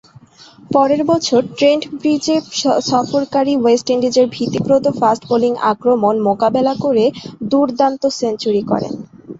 পরের বছর ট্রেন্ট ব্রিজে সফরকারী ওয়েস্ট ইন্ডিজের ভীতিপ্রদ ফাস্ট-বোলিং আক্রমণ মোকাবেলা করে দূর্দান্ত সেঞ্চুরি করেন।